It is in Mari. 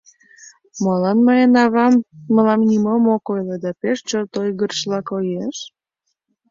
Молан мыйын авам мылам нимом ок ойло да пеш чот ойгырышыла коеш?